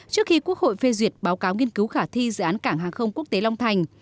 trước khi quốc hội phê duyệt báo cáo nghiên cứu khả thi dự án cảng hàng không quốc tế long thành